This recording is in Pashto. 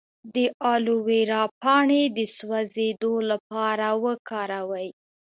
د الوویرا پاڼې د سوځیدو لپاره وکاروئ